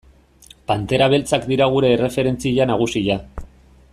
Pantera Beltzak dira gure erreferentzia nagusia.